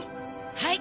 はい。